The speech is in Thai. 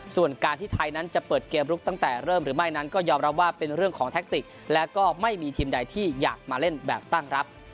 ส่วนการที่ไทยนั้นจะเปิดเกมลุกตั้งแต่เริ่มหรือไม่นั้นก็ยอมรับว่าเป็นเรื่องของแท็กติกและก็ไม่มีทีมใดที่อยากมาเล่นแบบตั้งรับ